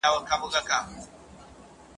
شاوخوا یې ترې را تاوکړله خطونه ..